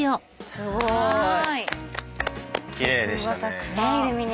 すごい。